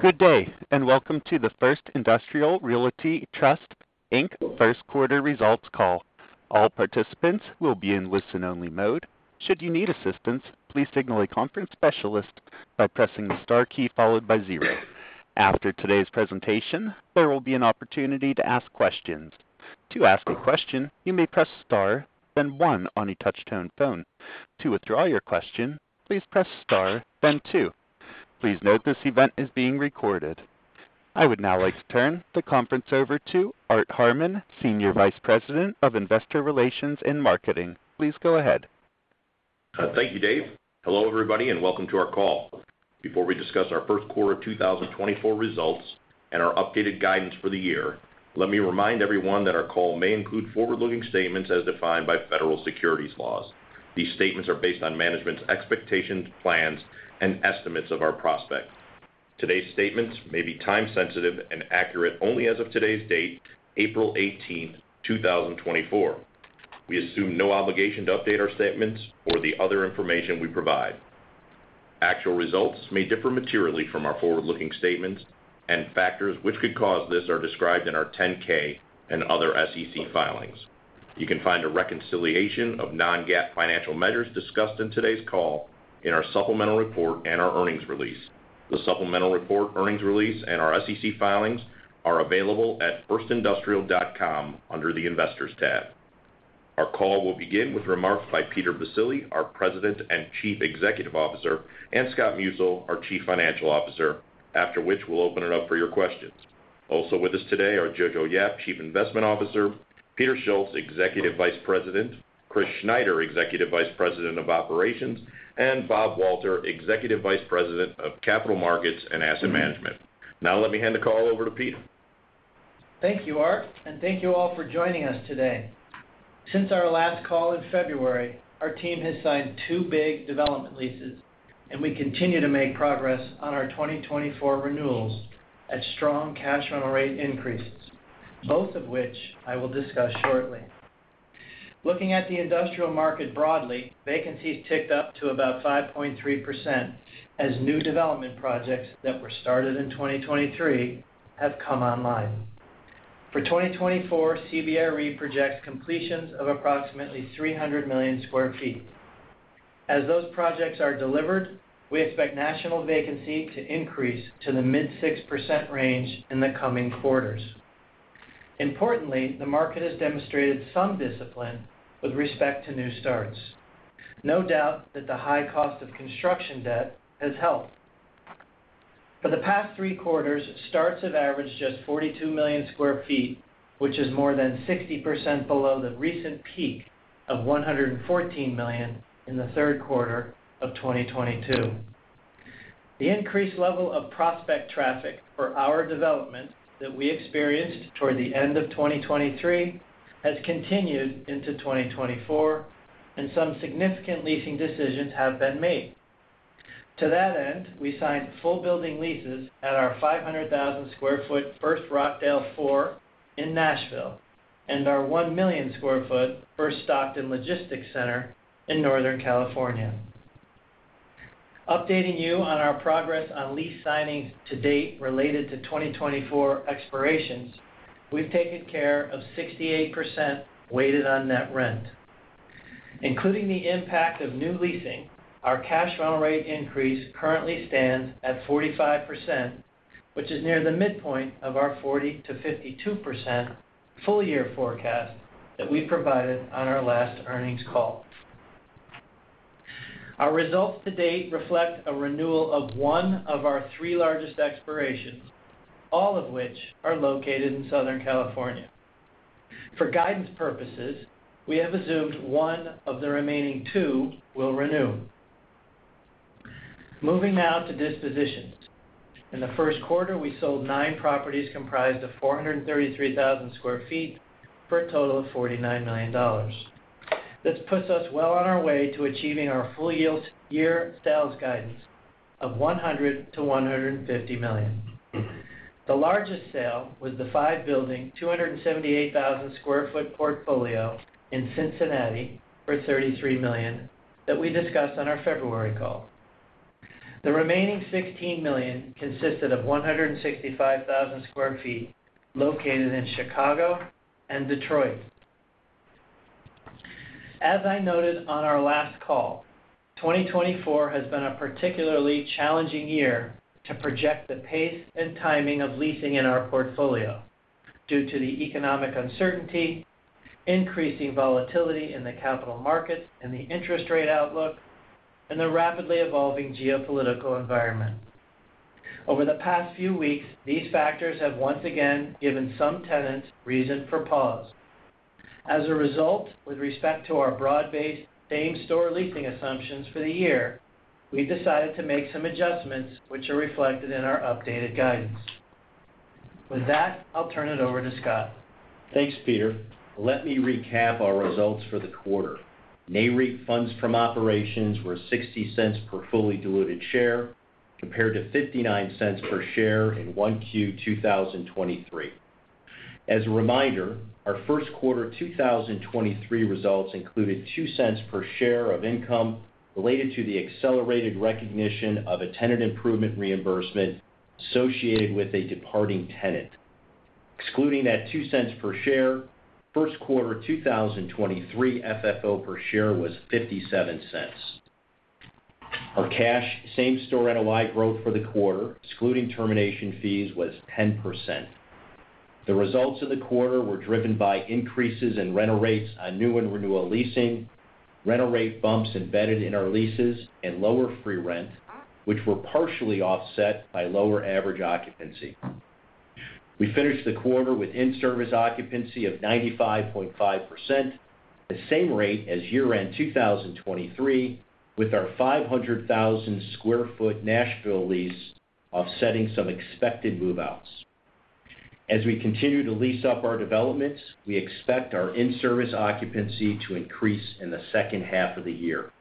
Good day and welcome to the First Industrial Realty Trust, Inc First Quarter Results Call. All participants will be in listen-only mode. Should you need assistance, please signal a conference specialist by pressing the star key followed by zero. After today's presentation, there will be an opportunity to ask questions. To ask a question, you may press star, then one on a touch-tone phone. To withdraw your question, please press star, then two. Please note this event is being recorded. I would now like to turn the conference over to Art Harmon, Senior Vice President of Investor Relations and Marketing. Please go ahead. Thank you, Dave. Hello, everybody, and welcome to our call. Before we discuss our first quarter 2024 results and our updated guidance for the year, let me remind everyone that our call may include forward-looking statements as defined by federal securities laws. These statements are based on management's expectations, plans, and estimates of our prospects. Today's statements may be time-sensitive and accurate only as of today's date, April 18, 2024. We assume no obligation to update our statements or the other information we provide. Actual results may differ materially from our forward-looking statements, and factors which could cause this are described in our 10-K and other SEC filings. You can find a reconciliation of non-GAAP financial measures discussed in today's call in our supplemental report and our earnings release. The supplemental report, earnings release, and our SEC filings are available at firstindustrial.com under the Investors tab. Our call will begin with remarks by Peter Baccile, our President and Chief Executive Officer, and Scott Musil, our Chief Financial Officer, after which we'll open it up for your questions. Also with us today are Jojo Yap, Chief Investment Officer; Peter Schultz, Executive Vice President; Chris Schneider, Executive Vice President of Operations; and Bob Walter, Executive Vice President of Capital Markets and Asset Management. Now let me hand the call over to Peter. Thank you, Art, and thank you all for joining us today. Since our last call in February, our team has signed 2 big development leases, and we continue to make progress on our 2024 renewals at strong cash rental rate increases, both of which I will discuss shortly. Looking at the industrial market broadly, vacancies ticked up to about 5.3% as new development projects that were started in 2023 have come online. For 2024, CBRE projects completions of approximately 300 million sq ft. As those projects are delivered, we expect national vacancy to increase to the mid-6% range in the coming quarters. Importantly, the market has demonstrated some discipline with respect to new starts. No doubt that the high cost of construction debt has helped. For the past three quarters, starts have averaged just 42 million sq ft, which is more than 60% below the recent peak of 114 million in the third quarter of 2022. The increased level of prospect traffic for our development that we experienced toward the end of 2023 has continued into 2024, and some significant leasing decisions have been made. To that end, we signed full building leases at our 500,000 sq ft First Rockdale IV in Nashville and our 1 million sq ft First Stockton Logistics Center in Northern California. Updating you on our progress on lease signings to date related to 2024 expirations, we've taken care of 68% weighted-on-net rent. Including the impact of new leasing, our cash rental rate increase currently stands at 45%, which is near the midpoint of our 40%-52% full-year forecast that we provided on our last earnings call. Our results to date reflect a renewal of one of our three largest expirations, all of which are located in Southern California. For guidance purposes, we have assumed one of the remaining two will renew. Moving now to dispositions. In the first quarter, we sold nine properties comprised of 433,000 sq ft for a total of $49 million. This puts us well on our way to achieving our full-year sales guidance of $100 million-$150 million. The largest sale was the five-building, 278,000 sq ft portfolio in Cincinnati for $33 million that we discussed on our February call. The remaining $16 million consisted of 165,000 sq ft located in Chicago and Detroit. As I noted on our last call, 2024 has been a particularly challenging year to project the pace and timing of leasing in our portfolio due to the economic uncertainty, increasing volatility in the capital markets and the interest rate outlook, and the rapidly evolving geopolitical environment. Over the past few weeks, these factors have once again given some tenants reason for pause. As a result, with respect to our broad-based same-store leasing assumptions for the year, we've decided to make some adjustments which are reflected in our updated guidance. With that, I'll turn it over to Scott. Thanks, Peter. Let me recap our results for the quarter. NAREIT funds from operations were $0.60 per fully diluted share compared to $0.59 per share in Q1 2023. As a reminder, our first quarter 2023 results included $0.02 per share of income related to the accelerated recognition of a tenant improvement reimbursement associated with a departing tenant. Excluding that $0.02 per share, first quarter 2023 FFO per share was $0.57. Our cash same-store NOI growth for the quarter, excluding termination fees, was 10%. The results of the quarter were driven by increases in rental rates on new and renewal leasing, rental rate bumps embedded in our leases, and lower free rent, which were partially offset by lower average occupancy. We finished the quarter with in-service occupancy of 95.5%, the same rate as year-end 2023, with our 500,000 sq ft Nashville lease offsetting some expected move-outs. As we continue to lease up our developments, we expect our in-service occupancy to increase in the second half of the year.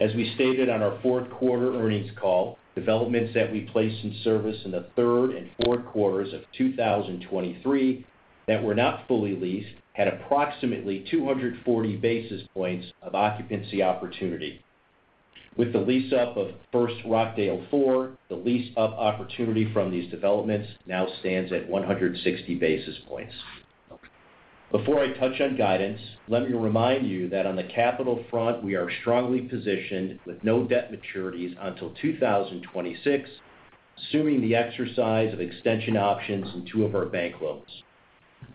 As we stated on our fourth quarter earnings call, developments that we placed in service in the third and fourth quarters of 2023 that were not fully leased had approximately 240 basis points of occupancy opportunity. With the lease-up of First Rockdale IV, the lease-up opportunity from these developments now stands at 160 basis points. Before I touch on guidance, let me remind you that on the capital front, we are strongly positioned with no debt maturities until 2026, assuming the exercise of extension options in two of our bank loans.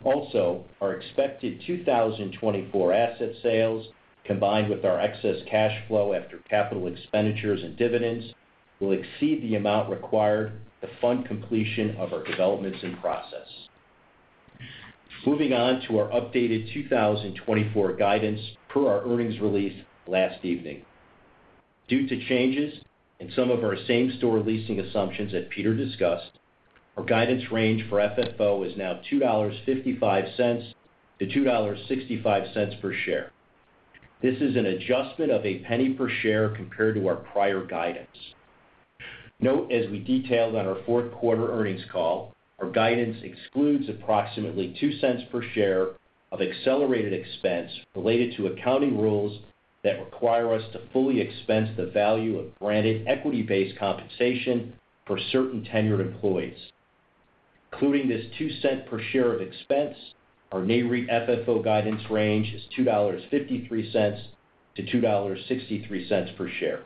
Also, our expected 2024 asset sales, combined with our excess cash flow after capital expenditures and dividends, will exceed the amount required to fund completion of our developments in process. Moving on to our updated 2024 guidance per our earnings release last evening. Due to changes in some of our same-store leasing assumptions that Peter discussed, our guidance range for FFO is now $2.55-$2.65 per share. This is an adjustment of a penny per share compared to our prior guidance. Note, as we detailed on our fourth quarter earnings call, our guidance excludes approximately $0.02 per share of accelerated expense related to accounting rules that require us to fully expense the value of granted equity-based compensation for certain tenured employees. Including this $0.02 per share of expense, our NAREIT FFO guidance range is $2.53-$2.63 per share.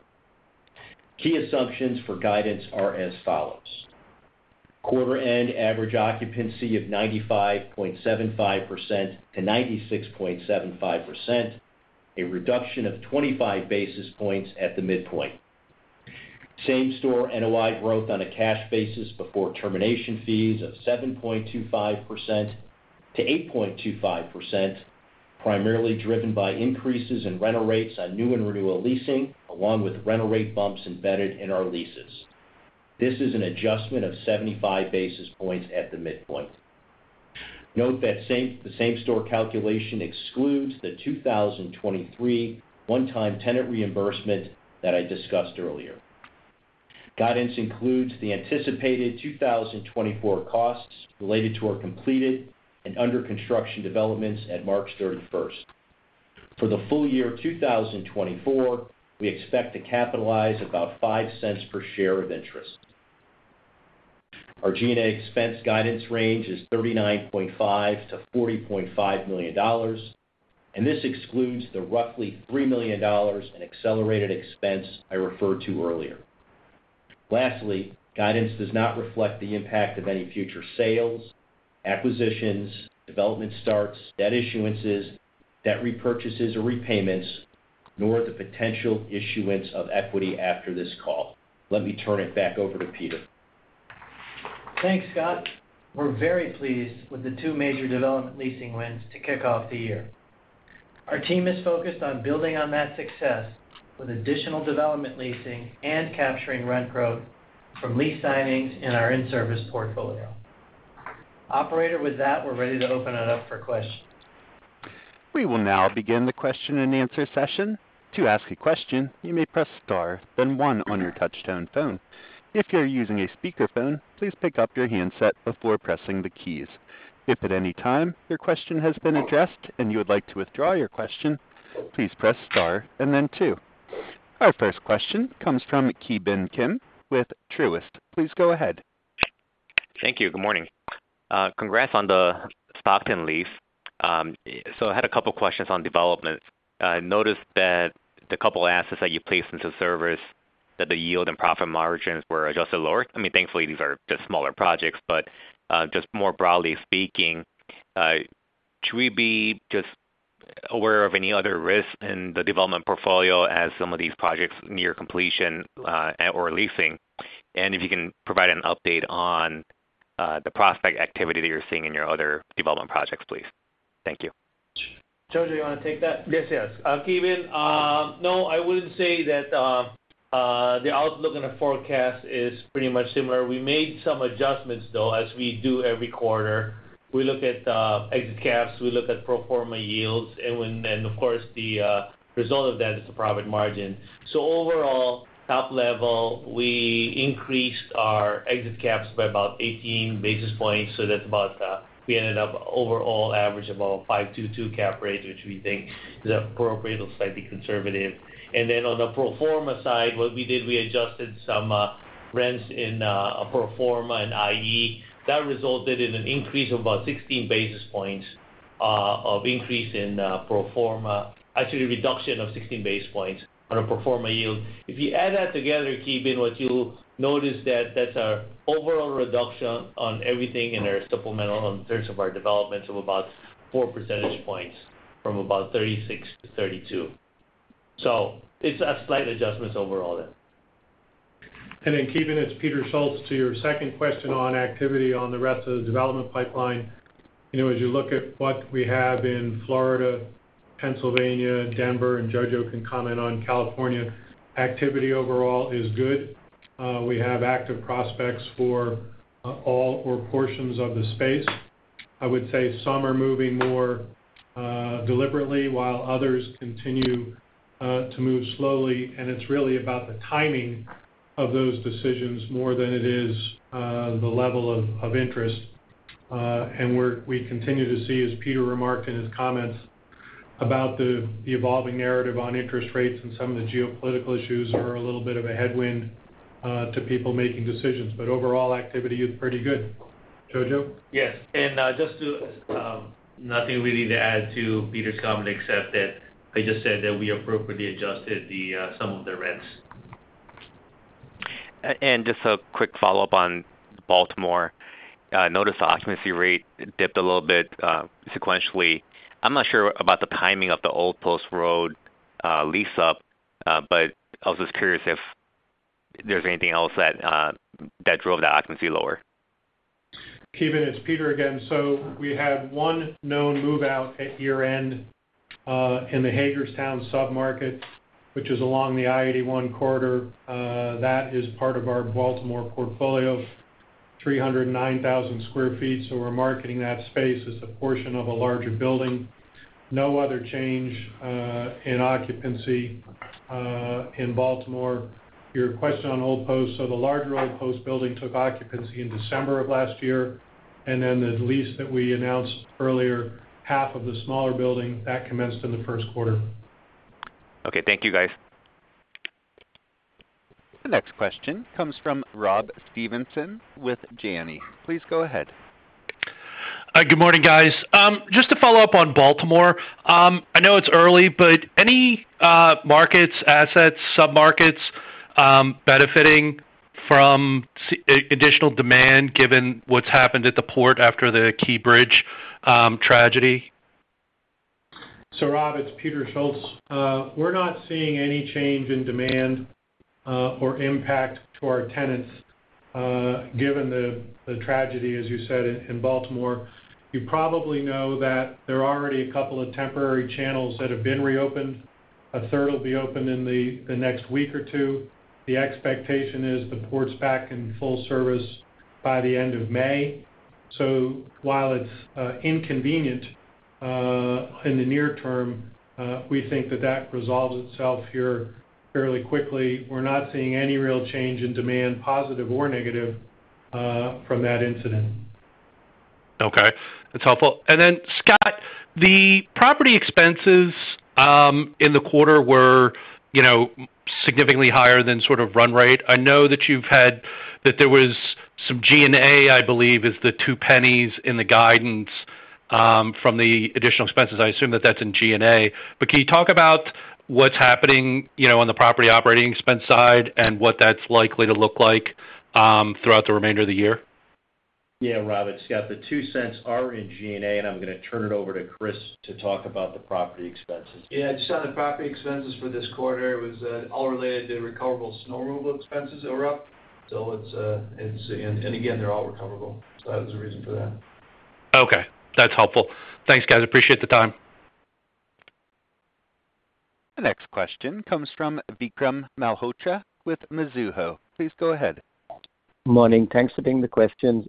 Key assumptions for guidance are as follows: quarter-end average occupancy of 95.75%-96.75%, a reduction of 25 basis points at the midpoint. Same-store NOI growth on a cash basis before termination fees of 7.25%-8.25%, primarily driven by increases in rental rates on new and renewal leasing, along with rental rate bumps embedded in our leases. This is an adjustment of 75 basis points at the midpoint. Note that the same-store calculation excludes the 2023 one-time tenant reimbursement that I discussed earlier. Guidance includes the anticipated 2024 costs related to our completed and under-construction developments at March 31st. For the full year 2024, we expect to capitalize about $0.05 per share of interest. Our G&A expense guidance range is $39.5-$40.5 million, and this excludes the roughly $3 million in accelerated expense I referred to earlier. Lastly, guidance does not reflect the impact of any future sales, acquisitions, development starts, debt issuances, debt repurchases or repayments, nor the potential issuance of equity after this call. Let me turn it back over to Peter. Thanks, Scott. We're very pleased with the two major development leasing wins to kick off the year. Our team is focused on building on that success with additional development leasing and capturing rent growth from lease signings in our in-service portfolio. Operator, with that, we're ready to open it up for questions. We will now begin the question-and-answer session. To ask a question, you may press star, then one on your touch-tone phone. If you're using a speakerphone, please pick up your handset before pressing the keys. If at any time your question has been addressed and you would like to withdraw your question, please press star and then two. Our first question comes from Ki Bin Kim with Truist. Please go ahead. Thank you. Good morning. Congrats on the Stockton lease. So I had a couple of questions on developments. I noticed that the couple of assets that you placed into service that the yield and profit margins were adjusted lower. I mean, thankfully, these are just smaller projects. But just more broadly speaking, should we be just aware of any other risks in the development portfolio as some of these projects near completion or leasing? And if you can provide an update on the prospect activity that you're seeing in your other development projects, please. Thank you. Jojo, you want to take that? Yes. Ki Bin, I wouldn't say that the outlook and the forecast is pretty much similar. We made some adjustments, though, as we do every quarter. We look at exit caps. We look at pro forma yields. And of course, the result of that is the profit margin. So overall, top level, we increased our exit caps by about 18 basis points. So that's about we ended up overall average about a 5.22 cap rate, which we think is appropriate or slightly conservative. And then on the pro forma side, what we did, we adjusted some rents in pro forma and i.e. that resulted in an increase of about 16 basis points in pro forma actually, reduction of 16 basis points on a pro forma yield. If you add that together, Ki Bin, what you'll notice is that that's our overall reduction on everything in our supplemental in terms of our developments of about four percentage points from about 36 to 32. So it's a slight adjustment overall there. Then Ki Bin, it's Peter Schultz to your second question on activity on the rest of the development pipeline. As you look at what we have in Florida, Pennsylvania, Denver, and Jojo can comment on California, activity overall is good. We have active prospects for all or portions of the space. I would say some are moving more deliberately while others continue to move slowly. And it's really about the timing of those decisions more than it is the level of interest. And what we continue to see, as Peter remarked in his comments about the evolving narrative on interest rates and some of the geopolitical issues, are a little bit of a headwind to people making decisions. But overall, activity is pretty good. Jojo? Yes. Just nothing really to add to Peter's comment except that I just said that we appropriately adjusted some of the rents. Just a quick follow-up on Baltimore. I noticed the occupancy rate dipped a little bit sequentially. I'm not sure about the timing of the Old Post Road lease-up, but I was just curious if there's anything else that drove the occupancy lower. Hey Ben, it's Peter again. So we had one known move-out at year-end in the Hagerstown submarket, which is along the I-81 corridor. That is part of our Baltimore portfolio, 309,000 sq ft. So we're marketing that space as a portion of a larger building. No other change in occupancy in Baltimore. Your question on Old Post, so the larger Old Post building took occupancy in December of last year. And then the lease that we announced earlier, half of the smaller building, that commenced in the first quarter. Okay. Thank you, guys. The next question comes from Rob Stevenson with Janney. Please go ahead. Good morning, guys. Just to follow up on Baltimore, I know it's early, but any markets, assets, submarkets benefiting from additional demand given what's happened at the port after the Key Bridge tragedy? So Rob, it's Peter Schultz. We're not seeing any change in demand or impact to our tenants given the tragedy, as you said, in Baltimore. You probably know that there are already a couple of temporary channels that have been reopened. A third will be opened in the next week or two. The expectation is the port's back in full service by the end of May. So while it's inconvenient in the near term, we think that that resolves itself here fairly quickly. We're not seeing any real change in demand, positive or negative, from that incident. Okay. That's helpful. Then Scott, the property expenses in the quarter were significantly higher than sort of run rate. I know that you've had that there was some G&A, I believe, is the $0.02 in the guidance from the additional expenses. I assume that that's in G&A. But can you talk about what's happening on the property operating expense side and what that's likely to look like throughout the remainder of the year? Yeah, Rob. It's Scott. The two cents are in G&A, and I'm going to turn it over to Chris to talk about the property expenses. Yeah. Just on the property expenses for this quarter, it was all related to recoverable snow removal expenses that were up. Again, they're all recoverable. That was the reason for that. Okay. That's helpful. Thanks, guys. Appreciate the time. The next question comes from Vikram Malhotra with Mizuho. Please go ahead. Morning. Thanks for taking the questions.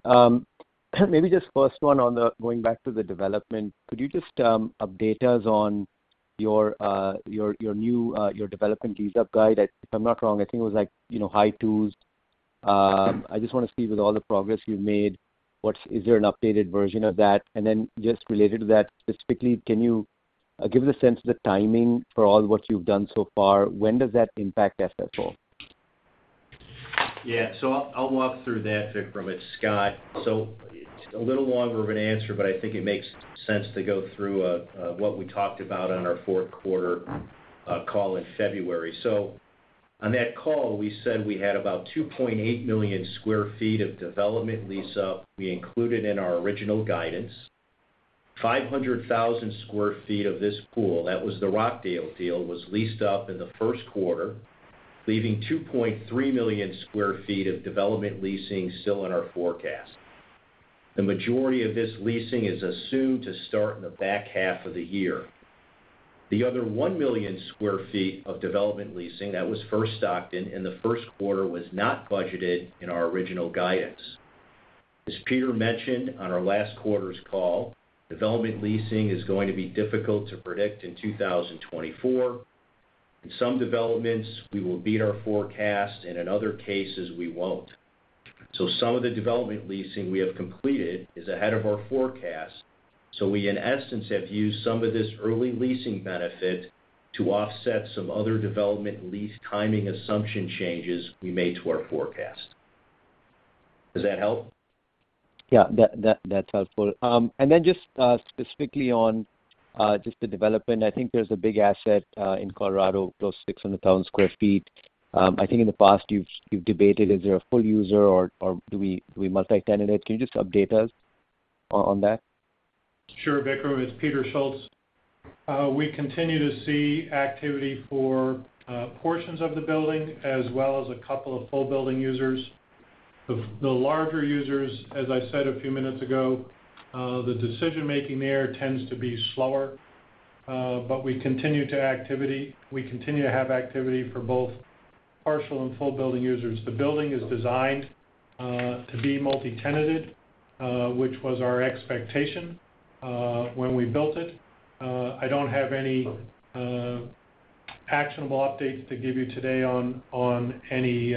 Maybe just first one on the going back to the development, could you just update us on your new development lease-up guide? If I'm not wrong, I think it was H2s. I just want to see with all the progress you've made, is there an updated version of that? And then just related to that, specifically, can you give us a sense of the timing for all what you've done so far? When does that impact FFO? Yeah. So I'll walk through that, Vikram. It's Scott. So it's a little longer of an answer, but I think it makes sense to go through what we talked about on our fourth quarter call in February. So on that call, we said we had about 2.8 million sq ft of development lease-up we included in our original guidance. 500,000 sq ft of this pool that was the Rockdale deal was leased up in the first quarter, leaving 2.3 million sq ft of development leasing still in our forecast. The majority of this leasing is assumed to start in the back half of the year. The other 1 million sq ft of development leasing that was First Stockton in the first quarter was not budgeted in our original guidance. As Peter mentioned on our last quarter's call, development leasing is going to be difficult to predict in 2024. In some developments, we will beat our forecast, and in other cases, we won't. Some of the development leasing we have completed is ahead of our forecast. We, in essence, have used some of this early leasing benefit to offset some other development lease timing assumption changes we made to our forecast. Does that help? Yeah. That's helpful. Then just specifically on just the development, I think there's a big asset in Colorado, close to 600,000 sq ft. I think in the past, you've debated, "Is there a full user, or do we multi-tenant it?" Can you just update us on that? Sure, Vikram. It's Peter Schultz. We continue to see activity for portions of the building as well as a couple of full-building users. The larger users, as I said a few minutes ago, the decision-making there tends to be slower. But we continue to activity. We continue to have activity for both partial and full-building users. The building is designed to be multi-tenanted, which was our expectation when we built it. I don't have any actionable updates to give you today on any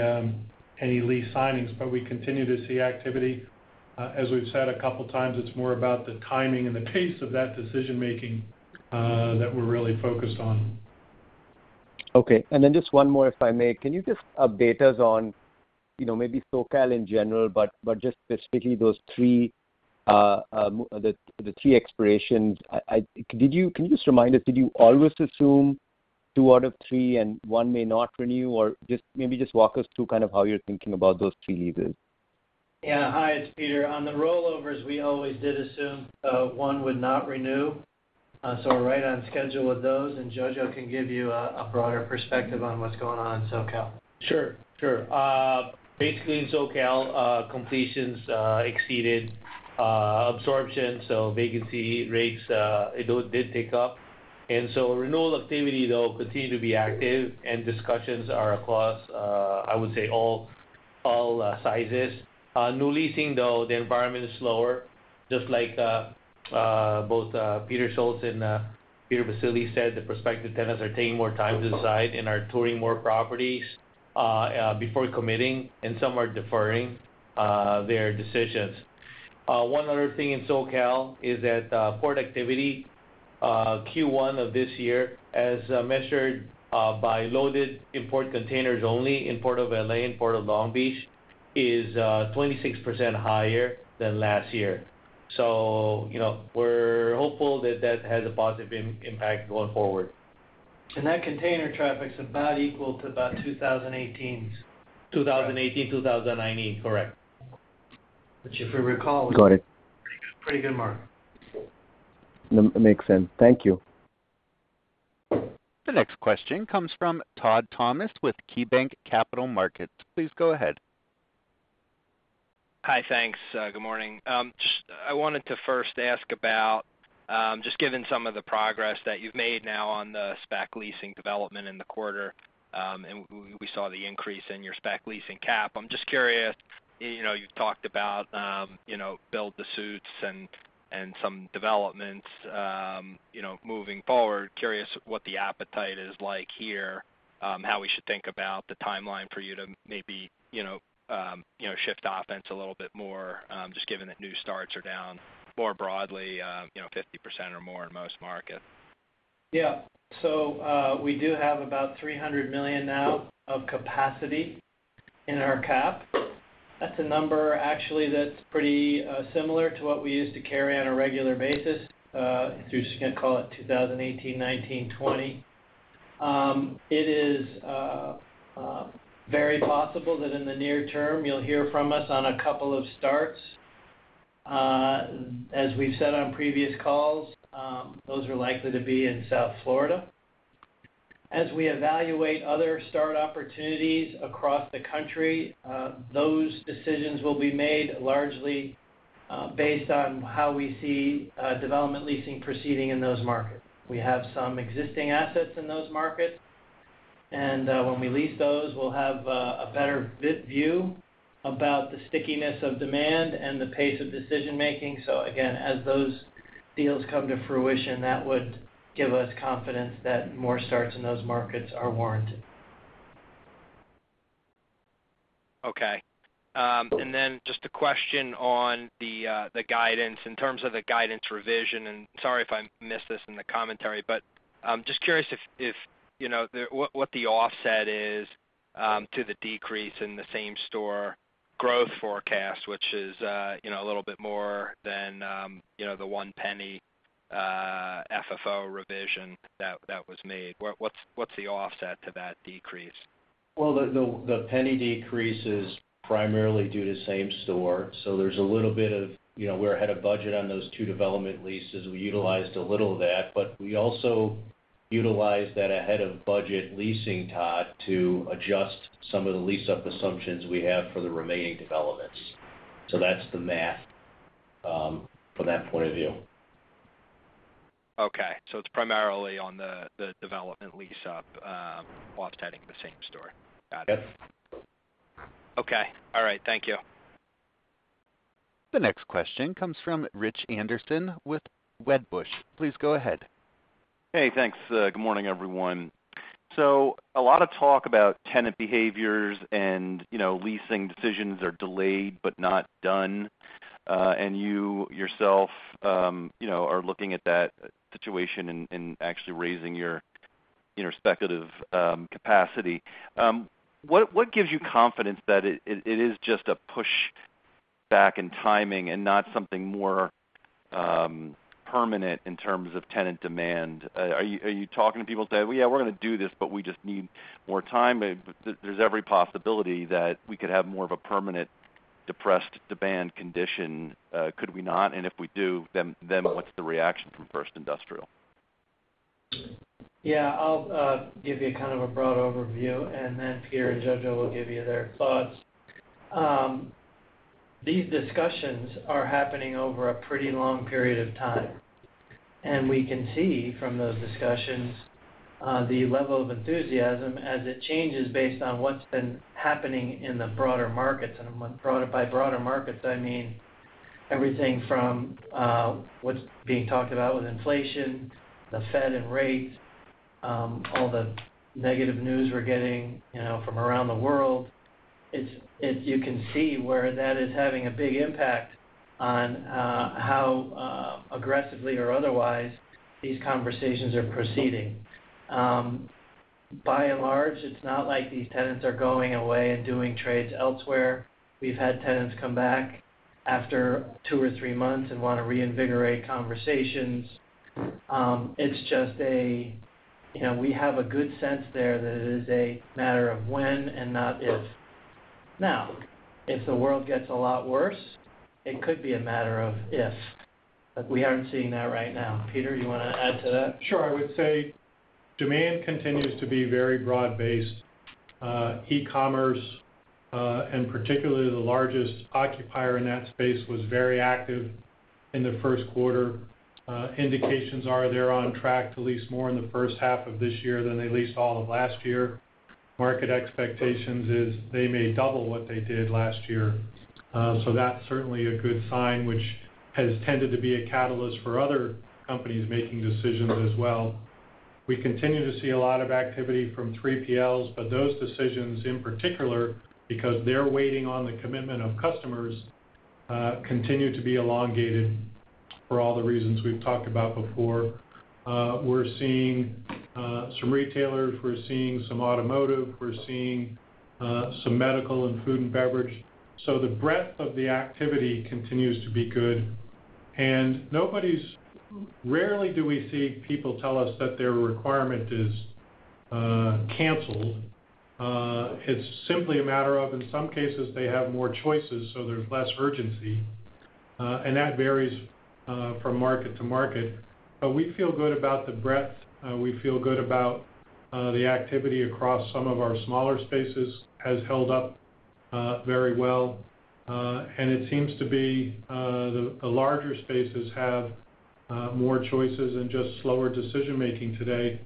lease signings, but we continue to see activity. As we've said a couple of times, it's more about the timing and the pace of that decision-making that we're really focused on. Okay. And then just one more, if I may. Can you just update us on maybe SoCal in general, but just specifically those three expirations? Can you just remind us, did you always assume two out of three and one may not renew, or maybe just walk us through kind of how you're thinking about those three leases? Yeah. Hi, it's Peter. On the rollovers, we always did assume one would not renew. So we're right on schedule with those, and Jojo can give you a broader perspective on what's going on in SoCal. Sure. Sure. Basically, in SoCal, completions exceeded absorption, so vacancy rates did tick up. So renewal activity, though, continued to be active, and discussions are across, I would say, all sizes. New leasing, though, the environment is slower. Just like both Peter Schultz and Peter Baccile said, the prospective tenants are taking more time to decide and are touring more properties before committing, and some are deferring their decisions. One other thing in SoCal is that port activity Q1 of this year, as measured by loaded import containers only in Port of LA and Port of Long Beach, is 26% higher than last year. So we're hopeful that that has a positive impact going forward. That container traffic's about equal to about 2018's. 2018, 2019. Correct. Which, if we recall. Got it. Pretty good mark. That makes sense. Thank you. The next question comes from Todd Thomas with KeyBanc Capital Markets. Please go ahead. Hi. Thanks. Good morning. I wanted to first ask about just given some of the progress that you've made now on the spec leasing development in the quarter, and we saw the increase in your spec leasing cap. I'm just curious. You've talked about build-to-suits and some developments moving forward. Curious what the appetite is like here, how we should think about the timeline for you to maybe shift offense a little bit more just given that new starts are down. More broadly, 50% or more in most markets. Yeah. So we do have about $300 million now of capacity in our cap. That's a number, actually, that's pretty similar to what we used to carry on a regular basis. You can call it 2018, 2019, 2020. It is very possible that in the near term, you'll hear from us on a couple of starts. As we've said on previous calls, those are likely to be in South Florida. As we evaluate other start opportunities across the country, those decisions will be made largely based on how we see development leasing proceeding in those markets. We have some existing assets in those markets. And when we lease those, we'll have a better view about the stickiness of demand and the pace of decision-making. So again, as those deals come to fruition, that would give us confidence that more starts in those markets are warranted. Okay. And then just a question on the guidance. In terms of the guidance revision and sorry if I missed this in the commentary, but just curious if what the offset is to the decrease in the same-store growth forecast, which is a little bit more than the $0.01 FFO revision that was made. What's the offset to that decrease? Well, the penny decrease is primarily due to same-store. So there's a little bit of, we're ahead of budget on those two development leases. We utilized a little of that. But we also utilized that ahead-of-budget leasing, Todd, to adjust some of the lease-up assumptions we have for the remaining developments. So that's the math from that point of view. Okay. So it's primarily on the development lease-up offsetting the same-store. Got it. Okay. All right. Thank you. The next question comes from Rich Anderson with Wedbush. Please go ahead. Hey. Thanks. Good morning, everyone. So a lot of talk about tenant behaviors and leasing decisions are delayed but not done. And you yourself are looking at that situation and actually raising your speculative capacity. What gives you confidence that it is just a pushback in timing and not something more permanent in terms of tenant demand? Are you talking to people saying, "Well, yeah, we're going to do this, but we just need more time"? There's every possibility that we could have more of a permanent depressed demand condition. Could we not? And if we do, then what's the reaction from First Industrial? Yeah. I'll give you kind of a broad overview, and then Peter and Jojo will give you their thoughts. These discussions are happening over a pretty long period of time. We can see from those discussions the level of enthusiasm as it changes based on what's been happening in the broader markets. By broader markets, I mean everything from what's being talked about with inflation, the Fed and rates, all the negative news we're getting from around the world. You can see where that is having a big impact on how aggressively or otherwise these conversations are proceeding. By and large, it's not like these tenants are going away and doing trades elsewhere. We've had tenants come back after two or three months and want to reinvigorate conversations. It's just a we have a good sense there that it is a matter of when and not if. Now, if the world gets a lot worse, it could be a matter of if. But we aren't seeing that right now. Peter, you want to add to that? Sure. I would say demand continues to be very broad-based. E-commerce, and particularly the largest occupier in that space, was very active in the first quarter. Indications are they're on track to lease more in the first half of this year than they leased all of last year. Market expectations is they may double what they did last year. So that's certainly a good sign, which has tended to be a catalyst for other companies making decisions as well. We continue to see a lot of activity from 3PLs, but those decisions, in particular, because they're waiting on the commitment of customers, continue to be elongated for all the reasons we've talked about before. We're seeing some retailers. We're seeing some automotive. We're seeing some medical and food and beverage. So the breadth of the activity continues to be good. Rarely do we see people tell us that their requirement is canceled. It's simply a matter of, in some cases, they have more choices, so there's less urgency. That varies from market to market. We feel good about the breadth. We feel good about the activity across some of our smaller spaces has held up very well. It seems to be the larger spaces have more choices and just slower decision-making today.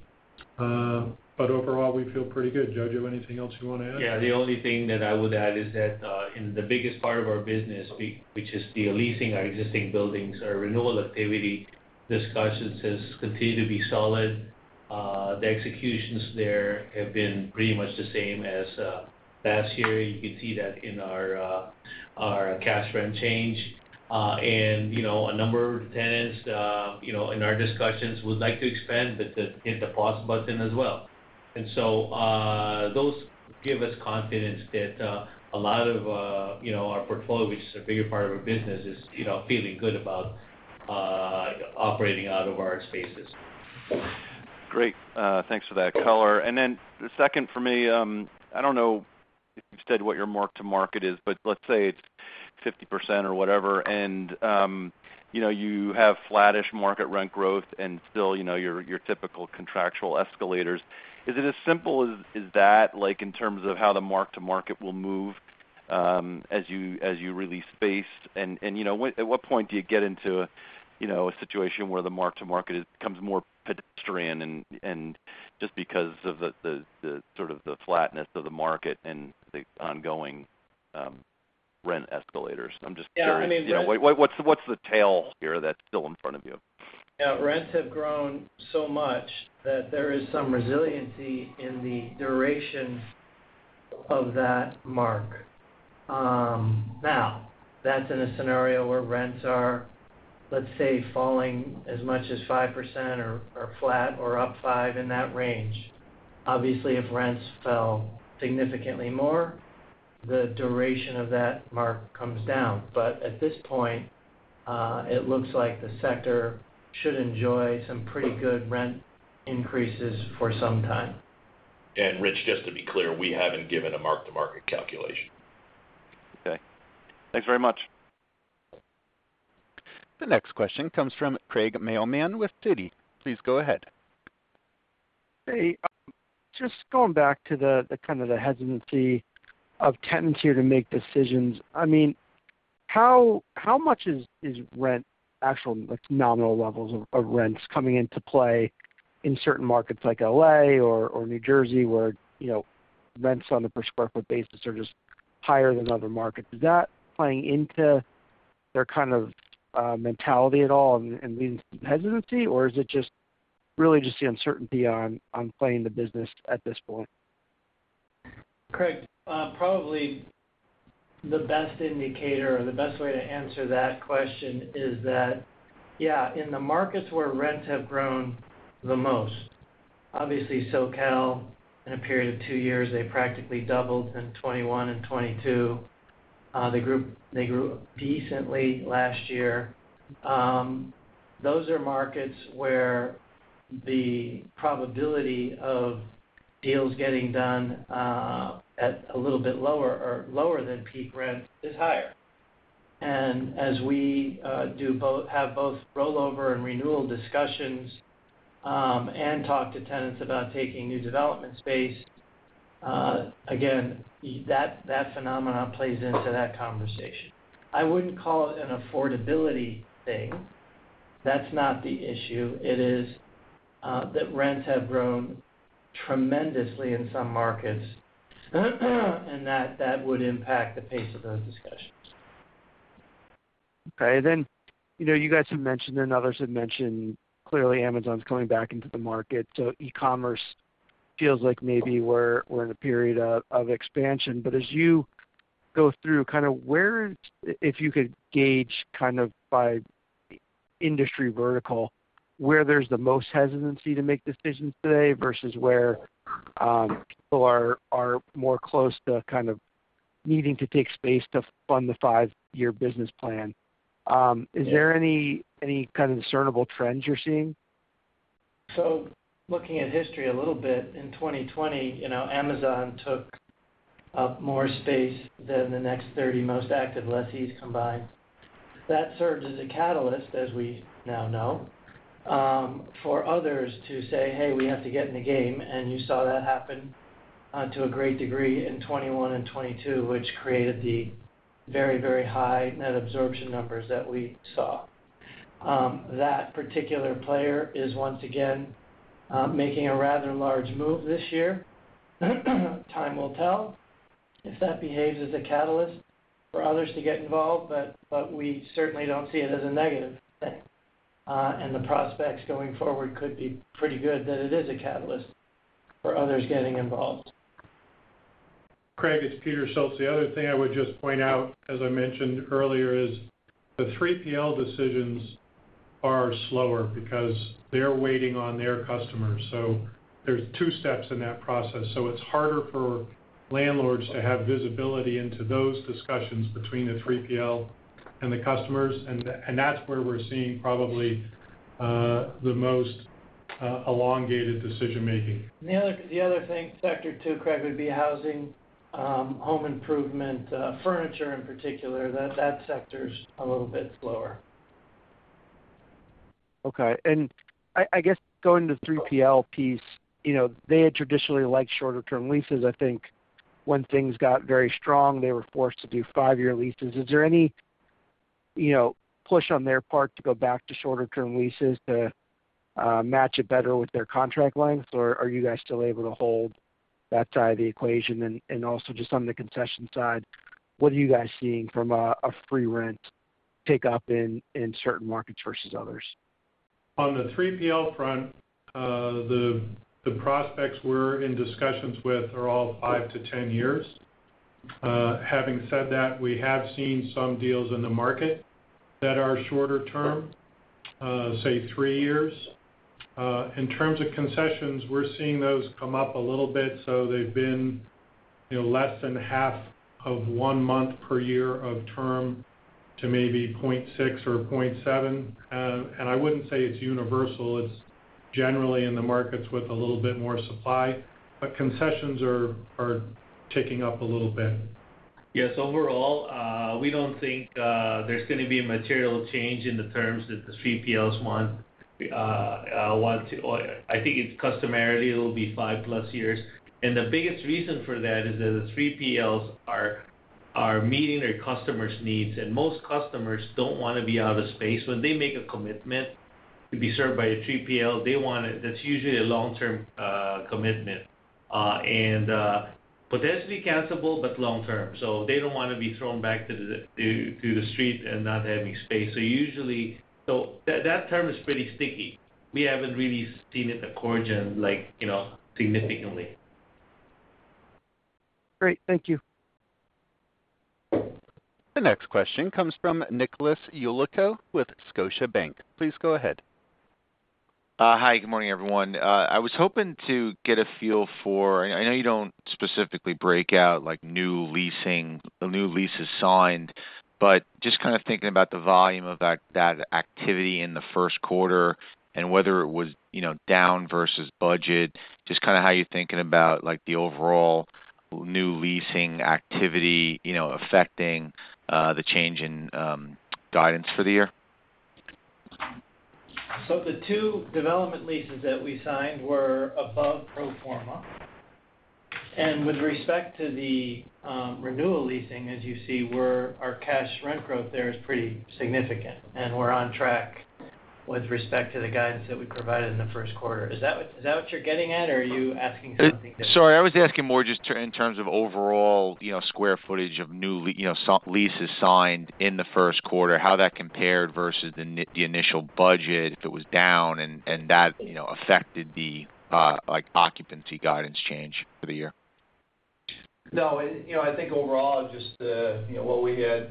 Overall, we feel pretty good. Jojo, anything else you want to add? Yeah. The only thing that I would add is that in the biggest part of our business, which is the leasing of existing buildings, our renewal activity discussions continue to be solid. The executions there have been pretty much the same as last year. You can see that in our cash rent change. And a number of tenants in our discussions would like to expand but hit the pause button as well. And so those give us confidence that a lot of our portfolio, which is a bigger part of our business, is feeling good about operating out of our spaces. Great. Thanks for that, Color. And then the second for me, I don't know if you've said what your mark-to-market is, but let's say it's 50% or whatever, and you have flattish market rent growth and still your typical contractual escalators. Is it as simple as that in terms of how the mark-to-market will move as you release space? And at what point do you get into a situation where the mark-to-market becomes more pedestrian just because of sort of the flatness of the market and the ongoing rent escalators? I'm just curious. What's the tail here that's still in front of you? Yeah. Rents have grown so much that there is some resiliency in the duration of that mark. Now, that's in a scenario where rents are, let's say, falling as much as 5% or flat or up 5% in that range. Obviously, if rents fell significantly more, the duration of that mark comes down. But at this point, it looks like the sector should enjoy some pretty good rent increases for some time. Rich, just to be clear, we haven't given a mark-to-market calculation. Okay. Thanks very much. The next question comes from Craig Mailman with Citi. Please go ahead. Hey. Just going back to kind of the hesitancy of tenants here to make decisions. I mean, how much is rent, actual nominal levels of rents coming into play in certain markets like L.A. or New Jersey where rents on a per-square-foot basis are just higher than other markets? Is that playing into their kind of mentality at all and leading to some hesitancy, or is it really just the uncertainty on playing the business at this point? Craig, probably the best indicator or the best way to answer that question is that, yeah, in the markets where rents have grown the most, obviously, SoCal, in a period of two years, they practically doubled in 2021 and 2022. They grew decently last year. Those are markets where the probability of deals getting done at a little bit lower than peak rent is higher. And as we have both rollover and renewal discussions and talk to tenants about taking new development space, again, that phenomenon plays into that conversation. I wouldn't call it an affordability thing. That's not the issue. It is that rents have grown tremendously in some markets, and that would impact the pace of those discussions. Okay. Then you guys have mentioned and others have mentioned, clearly, Amazon's coming back into the market. So e-commerce feels like maybe we're in a period of expansion. But as you go through, kind of if you could gauge kind of by industry vertical where there's the most hesitancy to make decisions today versus where people are more close to kind of needing to take space to fund the 5-year business plan, is there any kind of discernible trends you're seeing? Looking at history a little bit, in 2020, Amazon took up more space than the next 30 most active lessees combined. That served as a catalyst, as we now know, for others to say, "Hey, we have to get in the game." You saw that happen to a great degree in 2021 and 2022, which created the very, very high net absorption numbers that we saw. That particular player is, once again, making a rather large move this year. Time will tell if that behaves as a catalyst for others to get involved, but we certainly don't see it as a negative thing. The prospects going forward could be pretty good that it is a catalyst for others getting involved. Craig, it's Peter Schultz. The other thing I would just point out, as I mentioned earlier, is the 3PL decisions are slower because they're waiting on their customers. So there's two steps in that process. So it's harder for landlords to have visibility into those discussions between the 3PL and the customers. And that's where we're seeing probably the most elongated decision-making. The other thing, sector two, Craig, would be housing, home improvement, furniture in particular. That sector's a little bit slower. Okay. I guess going to the 3PL piece, they had traditionally liked shorter-term leases. I think when things got very strong, they were forced to do 5-year leases. Is there any push on their part to go back to shorter-term leases to match it better with their contract length, or are you guys still able to hold that side of the equation? Also just on the concession side, what are you guys seeing from a free rent pickup in certain markets versus others? On the 3PL front, the prospects we're in discussions with are all 5-10 years. Having said that, we have seen some deals in the market that are shorter term, say, 3 years. In terms of concessions, we're seeing those come up a little bit. So they've been less than half of one month per year of term to maybe 0.6 or 0.7. And I wouldn't say it's universal. It's generally in the markets with a little bit more supply. But concessions are ticking up a little bit. Yes. Overall, we don't think there's going to be a material change in the terms that the 3PLs want. I think it's customarily it'll be 5+ years. The biggest reason for that is that the 3PLs are meeting their customers' needs. Most customers don't want to be out of space. When they make a commitment to be served by a 3PL, that's usually a long-term commitment and potentially cancelable but long-term. So they don't want to be thrown back to the street and not having space. So that term is pretty sticky. We haven't really seen it eroding significantly. Great. Thank you. The next question comes from Nicholas Yulico with Scotiabank. Please go ahead. Hi. Good morning, everyone. I was hoping to get a feel for, I know you don't specifically break out new leases signed, but just kind of thinking about the volume of that activity in the first quarter and whether it was down versus budget, just kind of how you're thinking about the overall new leasing activity affecting the change in guidance for the year? The 2 development leases that we signed were above pro forma. With respect to the renewal leasing, as you see, our cash rent growth there is pretty significant. We're on track with respect to the guidance that we provided in the first quarter. Is that what you're getting at, or are you asking something different? Sorry. I was asking more just in terms of overall square footage of new leases signed in the first quarter, how that compared versus the initial budget, if it was down, and that affected the occupancy guidance change for the year? No. I think overall, just what we had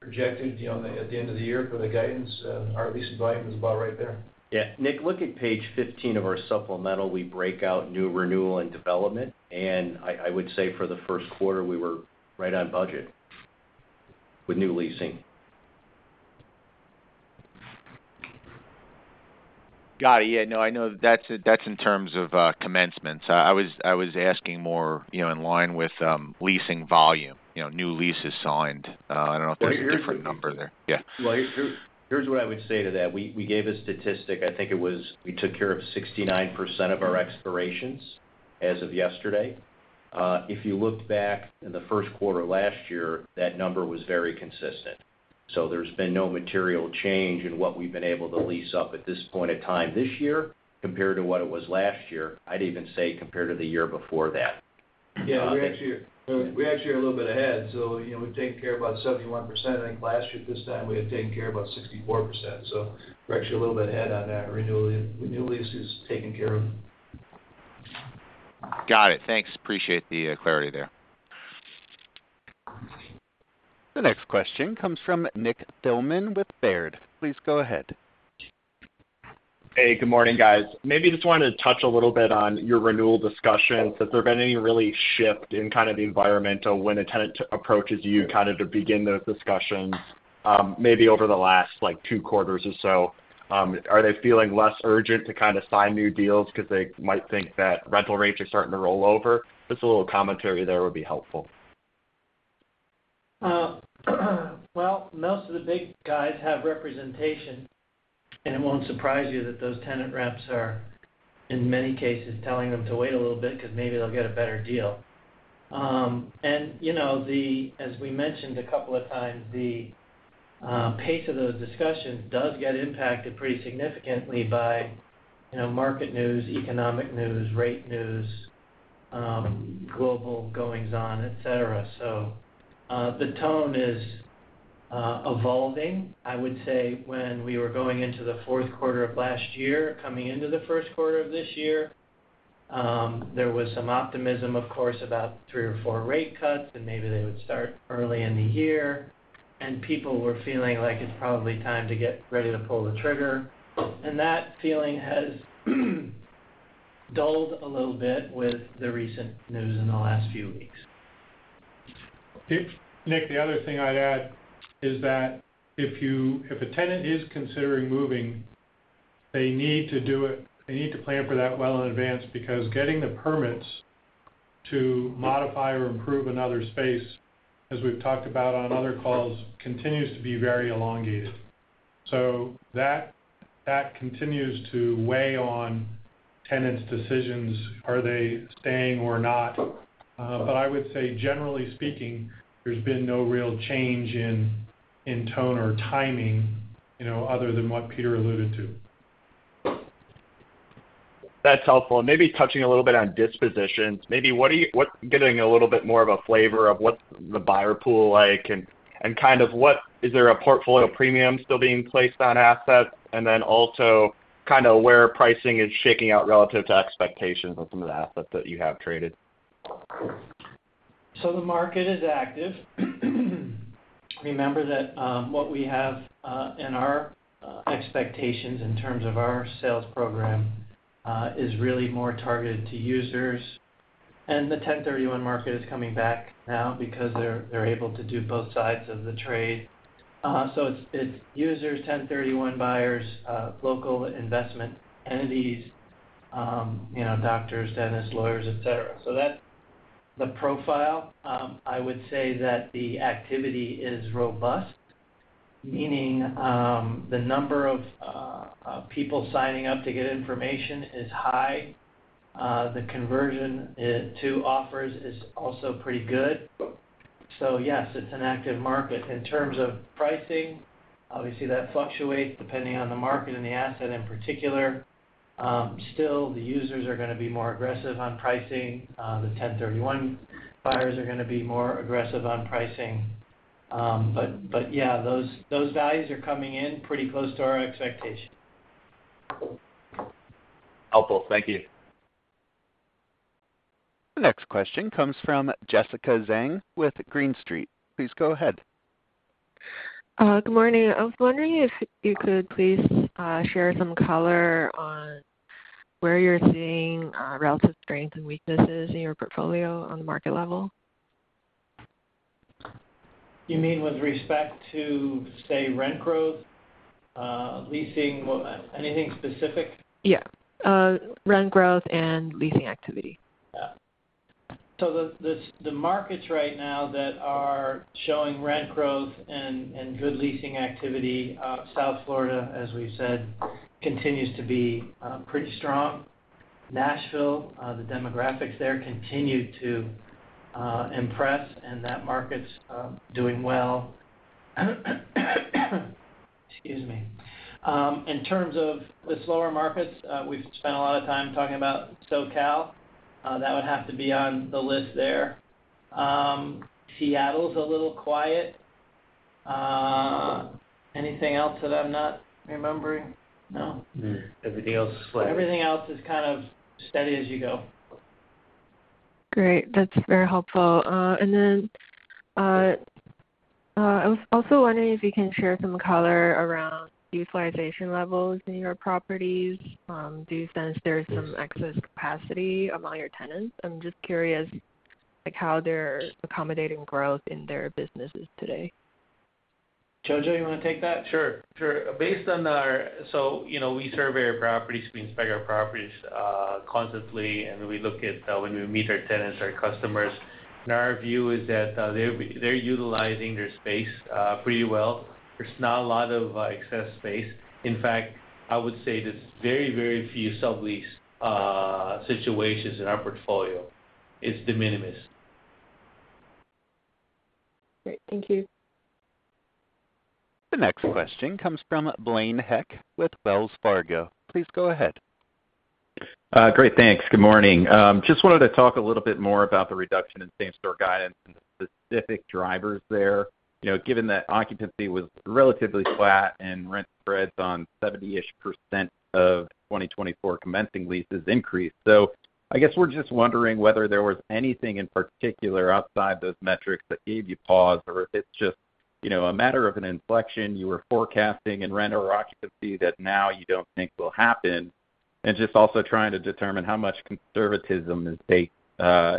projected at the end of the year for the guidance, our leasing volume was about right there. Yeah. Nick, look at page 15 of our supplemental. We break out new renewal and development. I would say for the first quarter, we were right on budget with new leasing. Got it. Yeah. No, I know that's in terms of commencements. I was asking more in line with leasing volume, new leases signed. I don't know if there's a different number there. Yeah. Well, here's what I would say to that. We gave a statistic. I think it was we took care of 69% of our expirations as of yesterday. If you looked back in the first quarter last year, that number was very consistent. So there's been no material change in what we've been able to lease up at this point in time this year compared to what it was last year. I'd even say compared to the year before that. Yeah. We actually are a little bit ahead. So we've taken care of about 71%. I think last year, this time, we had taken care of about 64%. So we're actually a little bit ahead on that. Renewal leases taken care of. Got it. Thanks. Appreciate the clarity there. The next question comes from Nick Thillman with Baird. Please go ahead. Hey. Good morning, guys. Maybe just wanted to touch a little bit on your renewal discussions. Has there been any real shift in kind of the environment when a tenant approaches you kind of to begin those discussions maybe over the last two quarters or so? Are they feeling less urgent to kind of sign new deals because they might think that rental rates are starting to roll over? Just a little commentary there would be helpful. Well, most of the big guys have representation. It won't surprise you that those tenant reps are, in many cases, telling them to wait a little bit because maybe they'll get a better deal. As we mentioned a couple of times, the pace of those discussions does get impacted pretty significantly by market news, economic news, rate news, global goings-on, etc. The tone is evolving. I would say when we were going into the fourth quarter of last year, coming into the first quarter of this year, there was some optimism, of course, about three or four rate cuts, and maybe they would start early in the year. People were feeling like it's probably time to get ready to pull the trigger. That feeling has dulled a little bit with the recent news in the last few weeks. Nick, the other thing I'd add is that if a tenant is considering moving, they need to plan for that well in advance because getting the permits to modify or improve another space, as we've talked about on other calls, continues to be very elongated. So that continues to weigh on tenants' decisions. Are they staying or not? But I would say, generally speaking, there's been no real change in tone or timing other than what Peter alluded to. That's helpful. And maybe touching a little bit on dispositions. Maybe what's getting a little bit more of a flavor of what's the buyer pool like and kind of is there a portfolio premium still being placed on assets and then also kind of where pricing is shaking out relative to expectations of some of the assets that you have traded? So the market is active. Remember that what we have in our expectations in terms of our sales program is really more targeted to users. And the 1031 market is coming back now because they're able to do both sides of the trade. So it's users, 1031 buyers, local investment entities, doctors, dentists, lawyers, etc. So that's the profile. I would say that the activity is robust, meaning the number of people signing up to get information is high. The conversion to offers is also pretty good. So yes, it's an active market. In terms of pricing, obviously, that fluctuates depending on the market and the asset in particular. Still, the users are going to be more aggressive on pricing. The 1031 buyers are going to be more aggressive on pricing. But yeah, those values are coming in pretty close to our expectations. Helpful. Thank you. The next question comes from Jessica Zheng with Green Street. Please go ahead. Good morning. I was wondering if you could please share some color on where you're seeing relative strengths and weaknesses in your portfolio on the market level? You mean with respect to, say, rent growth, leasing, anything specific? Yeah. Rent growth and leasing activity. Yeah. So the markets right now that are showing rent growth and good leasing activity, South Florida, as we've said, continues to be pretty strong. Nashville, the demographics there continue to impress, and that market's doing well. Excuse me. In terms of the slower markets, we've spent a lot of time talking about SoCal. That would have to be on the list there. Seattle's a little quiet. Anything else that I'm not remembering? No? Everything else is slightly. Everything else is kind of steady as you go. Great. That's very helpful. And then I was also wondering if you can share some color around utilization levels in your properties. Do you sense there's some excess capacity among your tenants? I'm just curious how they're accommodating growth in their businesses today. Jojo, you want to take that? Sure. We survey our properties, we inspect properties, constantly. We look at when we meet our tenants, our customers, and our view is that they're utilizing their space pretty well. There's not a lot of excess space. In fact, I would say there's very, very few sublease situations in our portfolio. It's de minimis. Great. Thank you. The next question comes from Blaine Heck with Wells Fargo. Please go ahead. Great. Thanks. Good morning. Just wanted to talk a little bit more about the reduction in same-store guidance and the specific drivers there. Given that occupancy was relatively flat and rent spreads on 70-ish% of 2024 commencing leases increased. So I guess we're just wondering whether there was anything in particular outside those metrics that gave you pause or if it's just a matter of an inflection you were forecasting in rent or occupancy that now you don't think will happen and just also trying to determine how much conservatism is baked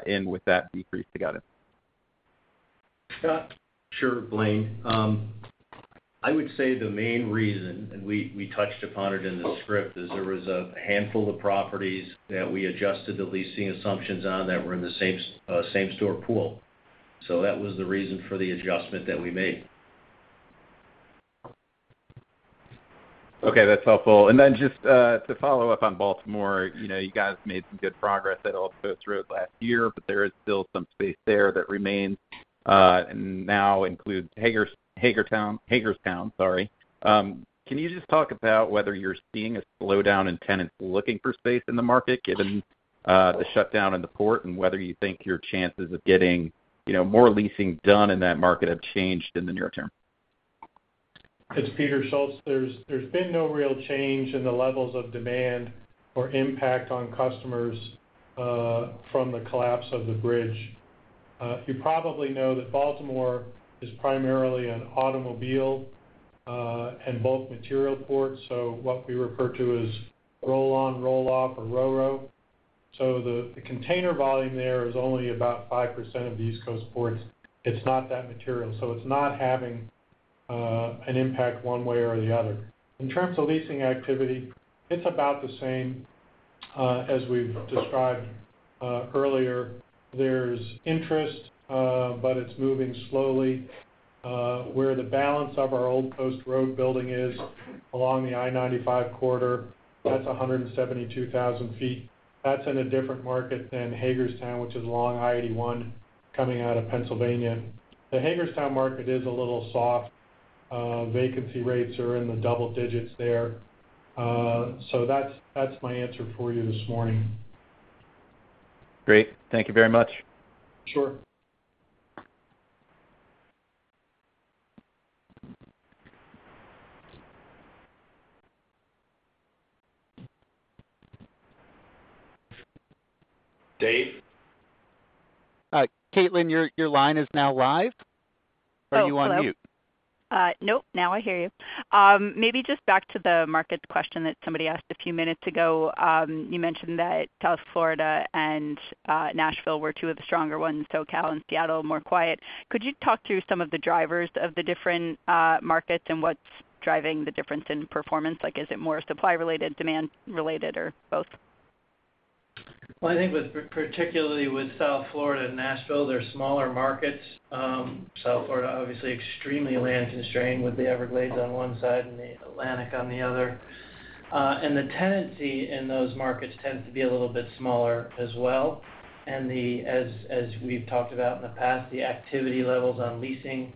in with that decrease to guidance. Sure, Blaine. I would say the main reason, and we touched upon it in the script, is there was a handful of properties that we adjusted the leasing assumptions on that were in the same-store pool. So that was the reason for the adjustment that we made. Okay. That's helpful. And then just to follow up on Baltimore, you guys made some good progress at all throughout last year, but there is still some space there that remains and now includes Hagerstown. Sorry. Can you just talk about whether you're seeing a slowdown in tenants looking for space in the market given the shutdown in the port and whether you think your chances of getting more leasing done in that market have changed in the near term? There's been no real change in the levels of demand or impact on customers from the collapse of the bridge. You probably know that Baltimore is primarily an automobile and bulk material port, so what we refer to as roll-on, roll-off, or RoRo. So the container volume there is only about 5% of the East Coast ports. It's not that material. So it's not having an impact one way or the other. In terms of leasing activity, it's about the same as we've described earlier. There's interest, but it's moving slowly. Where the balance of our Old Post Road building is along the I-95 corridor, that's 172,000 sq ft. That's in a different market than Hagerstown, which is along I-81 coming out of Pennsylvania. The Hagerstown market is a little soft. Vacancy rates are in the double digits there. So that's my answer for you this morning. Great. Thank you very much. Sure. Caitlin, your line is now live. Are you on mute? Nope. Now I hear you. Maybe just back to the market question that somebody asked a few minutes ago. You mentioned that South Florida and Nashville were two of the stronger ones, SoCal and Seattle more quiet. Could you talk through some of the drivers of the different markets and what's driving the difference in performance? Is it more supply-related, demand-related, or both? Well, I think particularly with South Florida and Nashville, they're smaller markets. South Florida, obviously, extremely land-constrained with the Everglades on one side and the Atlantic on the other. And the tenancy in those markets tends to be a little bit smaller as well. And as we've talked about in the past, the activity levels on leasing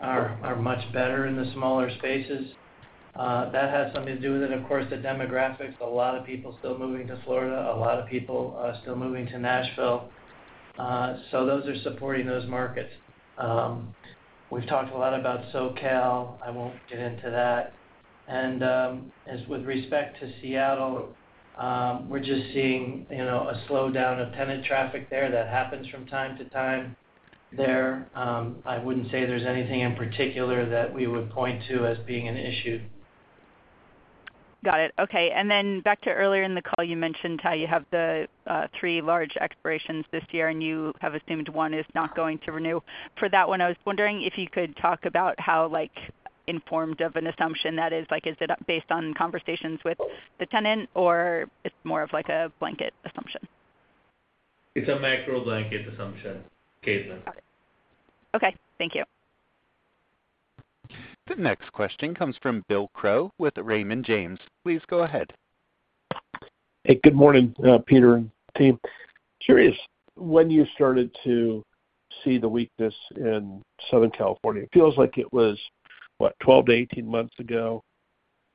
are much better in the smaller spaces. That has something to do with it, of course, the demographics. A lot of people still moving to Florida. A lot of people still moving to Nashville. So those are supporting those markets. We've talked a lot about SoCal. I won't get into that. And with respect to Seattle, we're just seeing a slowdown of tenant traffic there. That happens from time to time there. I wouldn't say there's anything in particular that we would point to as being an issue. Got it. Okay. Then back to earlier in the call, you mentioned, you have the three large expirations this year, and you have assumed one is not going to renew. For that one, I was wondering if you could talk about how informed of an assumption that is. Is it based on conversations with the tenant, or it's more of a blanket assumption? It's a macro blanket assumption, Caitlin. Got it. Okay. Thank you. The next question comes from Bill Crow with Raymond James. Please go ahead. Hey. Good morning, Peter and team. Curious, when you started to see the weakness in Southern California? It feels like it was, what, 12-18 months ago.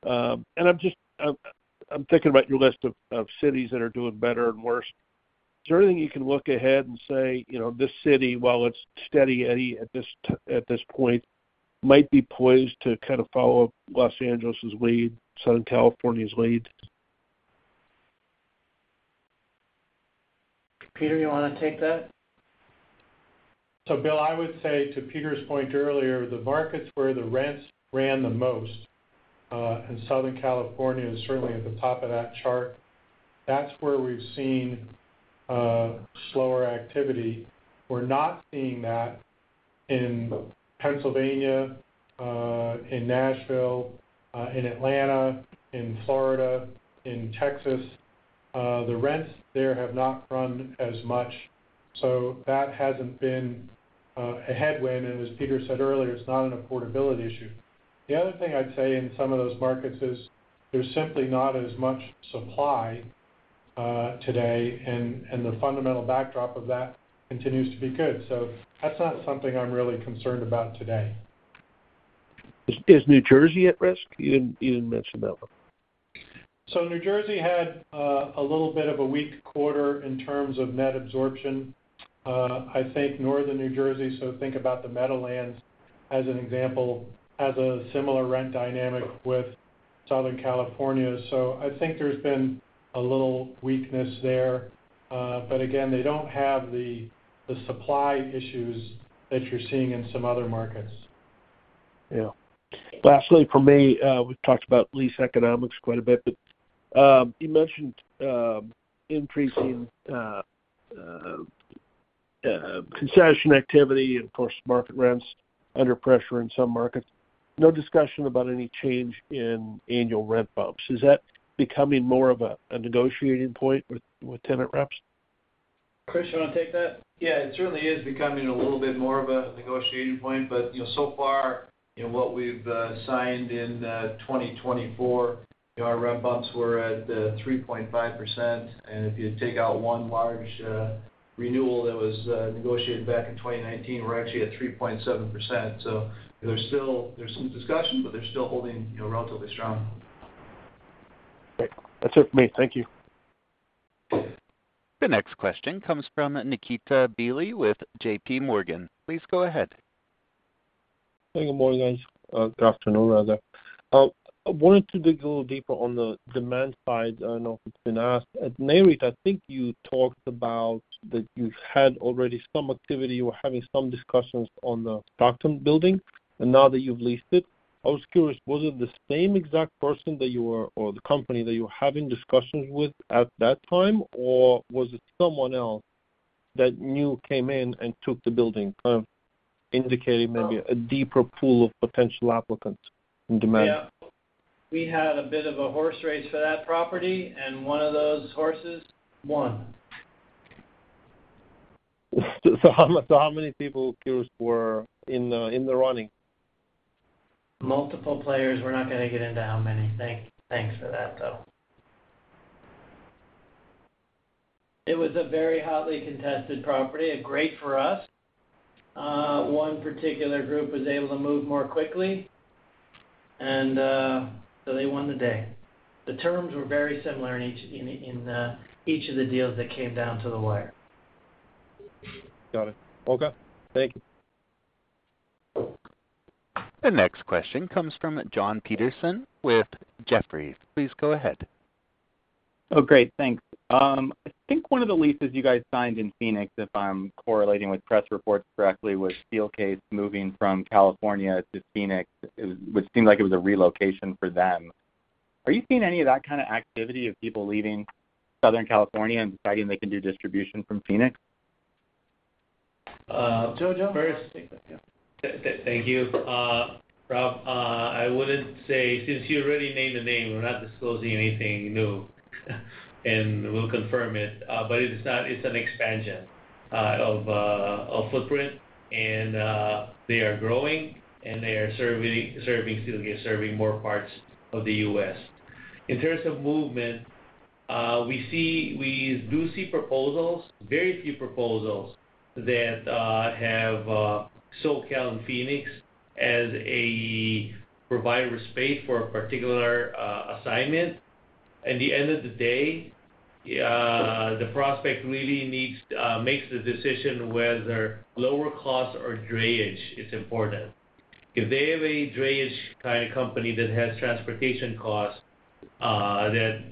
And I'm thinking about your list of cities that are doing better and worse. Is there anything you can look ahead and say, "This city, while it's steady at this point, might be poised to kind of follow up Los Angeles' lead, Southern California's lead"? Peter, you want to take that? So Bill, I would say to Peter's point earlier, the markets where the rents ran the most, and Southern California is certainly at the top of that chart, that's where we've seen slower activity. We're not seeing that in Pennsylvania, in Nashville, in Atlanta, in Florida, in Texas. The rents there have not run as much. So that hasn't been a headwind. And as Peter said earlier, it's not an affordability issue. The other thing I'd say in some of those markets is there's simply not as much supply today, and the fundamental backdrop of that continues to be good. So that's not something I'm really concerned about today. Is New Jersey at risk? You even mentioned that one. New Jersey had a little bit of a weak quarter in terms of net absorption. I think Northern New Jersey, so think about the Meadowlands as an example, has a similar rent dynamic with Southern California. So I think there's been a little weakness there. But again, they don't have the supply issues that you're seeing in some other markets. Yeah. Lastly, for me, we've talked about lease economics quite a bit, but you mentioned increasing concession activity and, of course, market rents under pressure in some markets. No discussion about any change in annual rent bumps. Is that becoming more of a negotiating point with tenant reps? Chris, you want to take that? Yeah. It certainly is becoming a little bit more of a negotiating point. But so far, what we've signed in 2024, our rent bumps were at 3.5%. And if you take out one large renewal that was negotiated back in 2019, we're actually at 3.7%. So there's some discussion, but they're still holding relatively strong. Great. That's it for me. Thank you. The next question comes from Nikita Bely with JPMorgan. Please go ahead. Hang on one second. Good afternoon, rather. I wanted to dig a little deeper on the demand side. I don't know if it's been asked. At NAREIT, I think you talked about that you had already some activity. You were having some discussions on the Stockton building. And now that you've leased it, I was curious, was it the same exact person that you were or the company that you were having discussions with at that time, or was it someone else that newly came in and took the building, kind of indicating maybe a deeper pool of potential applicants in demand? Yeah. We had a bit of a horse race for that property. One of those horses won. How many people, curious, were in the running? Multiple players. We're not going to get into how many. Thanks for that, though. It was a very hotly contested property, a great for us. One particular group was able to move more quickly, and so they won the day. The terms were very similar in each of the deals that came down to the wire. Got it. Okay. Thank you. The next question comes from John Petersen with Jefferies. Please go ahead. Oh, great. Thanks. I think one of the leases you guys signed in Phoenix, if I'm correlating with press reports correctly, was Steelcase moving from California to Phoenix. It seemed like it was a relocation for them. Are you seeing any of that kind of activity of people leaving Southern California and deciding they can do distribution from Phoenix? Jojo? Thank you, Rob. I wouldn't say since you already named the name, we're not disclosing anything new, and we'll confirm it. But it's an expansion of footprint, and they are growing, and they are serving Steelcase, serving more parts of the U.S. In terms of movement, we do see proposals, very few proposals, that have SoCal and Phoenix as a provider space for a particular assignment. At the end of the day, the prospect really makes the decision whether lower costs or drayage is important. If they have a drayage kind of company that has transportation costs that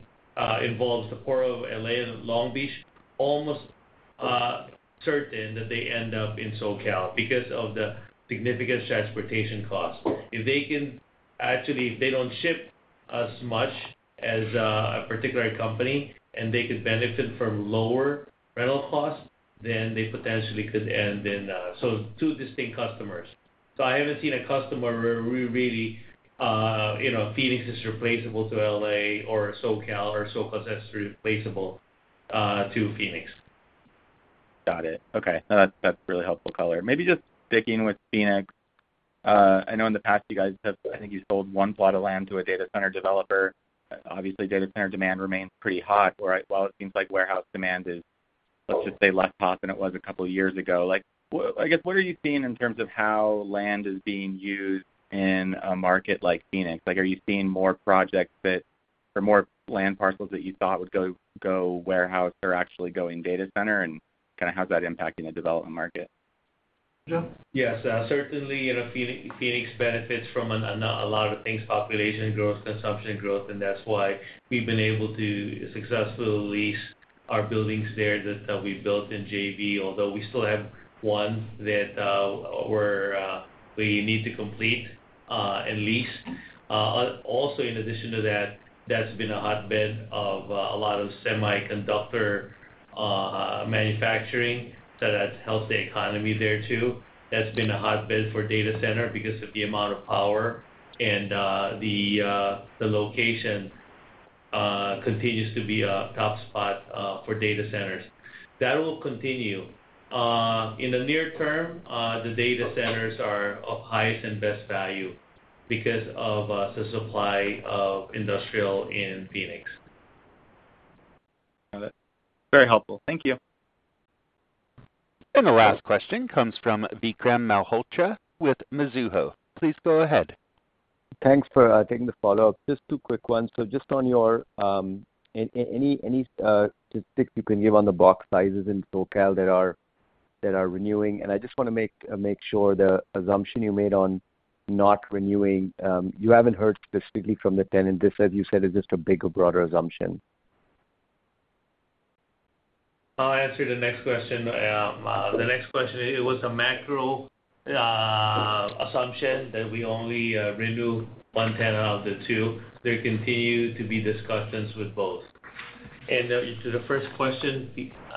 involves the Port of LA and Long Beach, almost certain that they end up in SoCal because of the significant transportation costs. If they can actually if they don't ship as much as a particular company and they could benefit from lower rental costs, then they potentially could end in, so two distinct customers. So I haven't seen a customer where we really Phoenix is replaceable to LA or SoCal, or SoCal is as replaceable to Phoenix. Got it. Okay. No, that's really helpful color. Maybe just sticking with Phoenix, I know in the past you guys have, I think, you sold one plot of land to a data center developer. Obviously, data center demand remains pretty hot while it seems like warehouse demand is, let's just say, less hot than it was a couple of years ago. I guess, what are you seeing in terms of how land is being used in a market like Phoenix? Are you seeing more projects or more land parcels that you thought would go warehouse are actually going data center, and kind of how's that impacting the development market? Yes. Certainly, Phoenix benefits from a lot of things: population growth, consumption growth. And that's why we've been able to successfully lease our buildings there that we built in JV, although we still have one that we need to complete and lease. Also, in addition to that, that's been a hotbed of a lot of semiconductor manufacturing. So that helps the economy there too. That's been a hotbed for data center because of the amount of power, and the location continues to be a top spot for data centers. That will continue. In the near term, the data centers are of highest and best value because of the supply of industrial in Phoenix. Got it. Very helpful. Thank you. The last question comes from Vikram Malhotra with Mizuho. Please go ahead. Thanks for taking the follow-up. Just two quick ones. So just on your any statistics you can give on the box sizes in SoCal that are renewing and I just want to make sure the assumption you made on not renewing you haven't heard specifically from the tenant. This, as you said, is just a bigger, broader assumption. I'll answer the next question. The next question, it was a macro assumption that we only renew one tenant out of the two. There continue to be discussions with both. To the first question.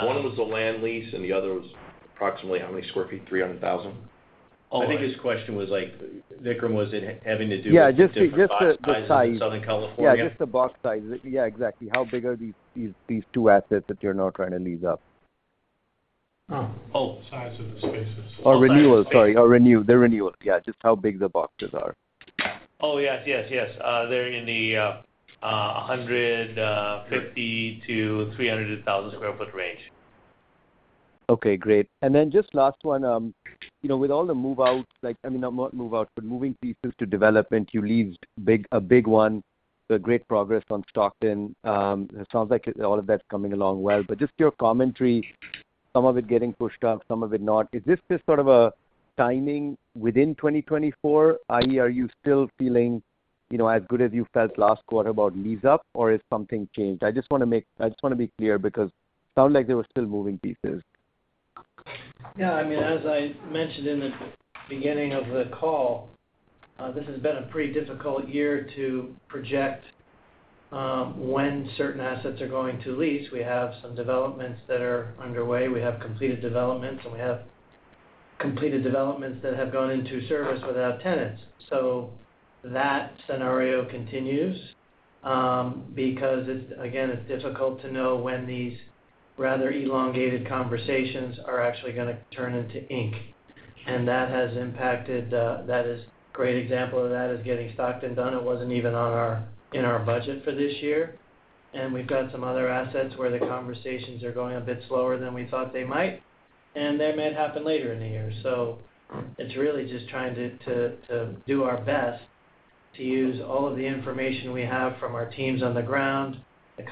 One was the land lease, and the other was approximately how many sq ft? 300,000? I think his question was Vikram was having to do with the box size. Yeah. Just the size. Southern California? Yeah. Just the box size. Yeah. Exactly. How big are these two assets that you're not trying to lease up? Oh. Size of the spaces. Or renewal. Sorry. Or renew. The renewal. Yeah. Just how big the boxes are. Yes. They're in the 150,000-300,000 sq ft range. Okay. Great. And then just last one, with all the move-outs I mean, not move-outs, but moving pieces to development, you leased a big one. There's great progress on Stockton. It sounds like all of that's coming along well. But just your commentary, some of it getting pushed up, some of it not. Is this just sort of a timing within 2024, i.e., are you still feeling as good as you felt last quarter about lease-up, or has something changed? I just want to be clear because it sounded like there were still moving pieces. Yeah. I mean, as I mentioned in the beginning of the call, this has been a pretty difficult year to project when certain assets are going to lease. We have some developments that are underway. We have completed developments, and we have completed developments that have gone into service without tenants. So that scenario continues because, again, it's difficult to know when these rather elongated conversations are actually going to turn into ink. And that has impacted. That is a great example of that is getting Stockton done. It wasn't even in our budget for this year. And we've got some other assets where the conversations are going a bit slower than we thought they might, and that might happen later in the year. So it's really just trying to do our best to use all of the information we have from our teams on the ground, the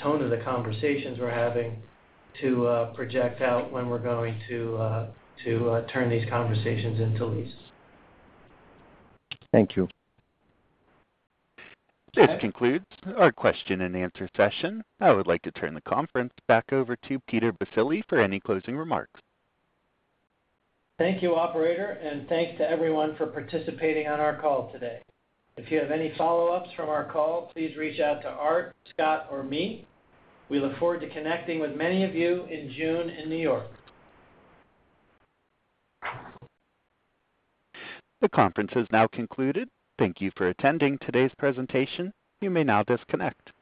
tone of the conversations we're having, to project out when we're going to turn these conversations into lease. Thank you. This concludes our question-and-answer session. I would like to turn the conference back over to Peter Baccile for any closing remarks. Thank you, operator, and thanks to everyone for participating on our call today. If you have any follow-ups from our call, please reach out to Art, Scott, or me. We look forward to connecting with many of you in June in New York. The conference has now concluded. Thank you for attending today's presentation. You may now disconnect.